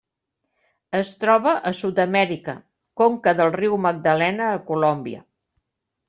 Es troba a Sud-amèrica: conca del riu Magdalena a Colòmbia.